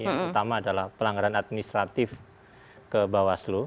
yang utama adalah pelanggaran administratif ke bawaslu